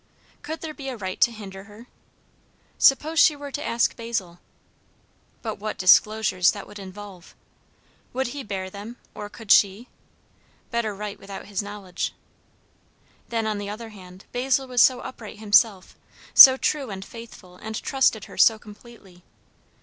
Could there be a right to hinder her? Suppose she were to ask Basil? But what disclosures that would involve! Would he bear them, or could she? Better write without his knowledge. Then, on the other hand, Basil was so upright himself, so true and faithful, and trusted her so completely.